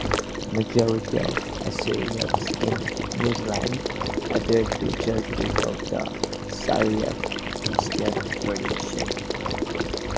Majority of Assyrians in New Zealand adhere to churches of the Syriac Christian tradition.